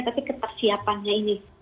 tapi ketersiapannya ini